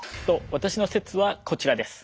私の説はこちらです。